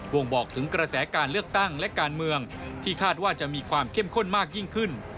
่งบอกถึงกระแสการเลือกตั้งและการเมืองที่คาดว่าจะมีความเข้มข้นมากยิ่งขึ้น